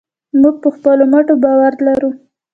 موږ په خپلو مټو باور لرو.